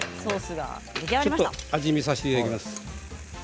ちょっと味見させていただきます。